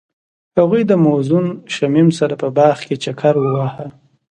هغوی د موزون شمیم سره په باغ کې چکر وواهه.